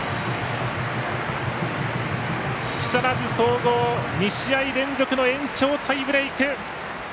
木更津総合、２試合連続の延長タイブレーク。